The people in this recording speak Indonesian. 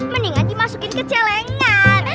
mendingan dimasukin ke celengan